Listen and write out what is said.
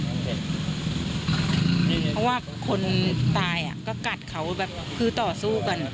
เพราะว่าคนตายก็กัดเขาแบบคือต่อสู้กัน